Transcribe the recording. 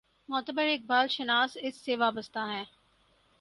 معتبر اقبال شناس اس سے وابستہ ہیں۔